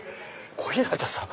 小日向さん。